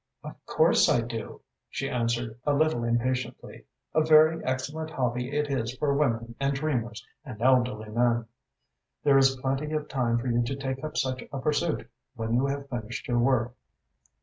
"Of course I do," she answered, a little impatiently. "A very excellent hobby it is for women and dreamers and elderly men. There is plenty of time for you to take up such a pursuit when you have finished your work."